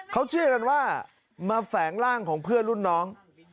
เขาเชื่อกันว่ามาแฝงร่างของเพื่อนรุ่นน้อง